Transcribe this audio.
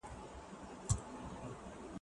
زه به سبا پلان جوړ کړم!